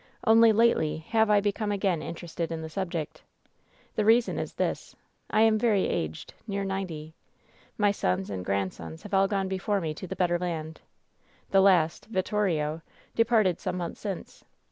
Only lately have I be come again interested in the subject. The reason is this: I am very aged, near ninety. My sons and grandsons have all gone before me to the better land. The last, Vittorio, departed some months since.